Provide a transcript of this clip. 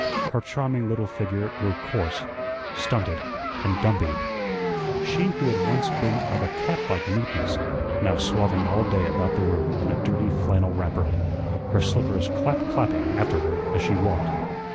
Her charming little figure grew coarse, stunted, and dumpy. She who had once been of a catlike neatness, now slovened all day about the room in a dirty flannel wrapper, her slippers clap clapping after her as she walked.